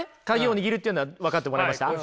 握るというのは分かってもらえました？